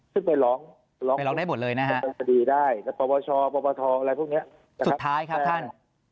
ซึ่งไปร้องได้หมดเลยนะครับสุดท้ายครับท่าน